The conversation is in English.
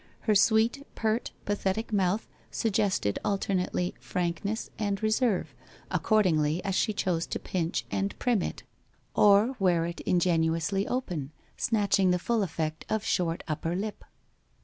Her sweet, pert, pathetic mouth suggested alter nately frankness and reserve, accordingly as she chose to pinch and prim it, or wear it ingenuously open, snatching the full effect, of short upper lip.